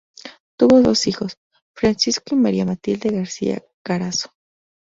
Tuvo dos hijos: Francisco y María Matilde García Carazo.